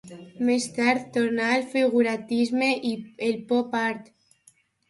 Més tard tornà al figurativisme i el pop-art.